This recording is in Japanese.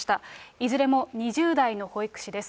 いずれも２０代の保育士です。